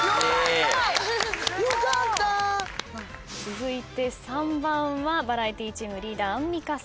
続いて３番はバラエティチームリーダーアンミカさん。